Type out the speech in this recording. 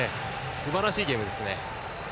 すばらしいゲームです。